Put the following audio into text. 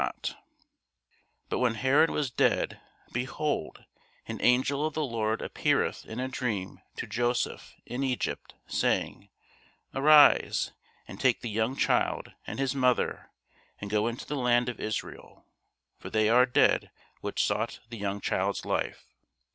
[Sidenote: St. Luke 2] But when Herod was dead, behold, an angel of the Lord appeareth in a dream to Joseph in Egypt, saying, Arise, and take the young child and his mother, and go into the land of Israel: for they are dead which sought the young child's life.